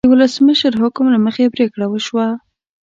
د ولسمشر حکم له مخې پریکړه وشوه.